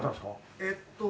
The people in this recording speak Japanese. えっと